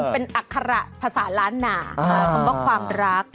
เป็นอัคระภาษาล้านหนาคำว่าความรัก